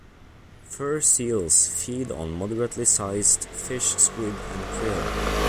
Fur seals feed on moderately sized fish, squid, and krill.